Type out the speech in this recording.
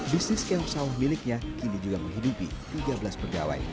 bisnis keong sawah miliknya kini juga menghidupi tiga belas pegawai